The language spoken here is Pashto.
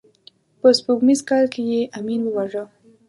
په سپوږمیز کال کې یې امین وواژه.